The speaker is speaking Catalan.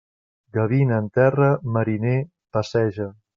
Gavina en terra, mariner, passeja.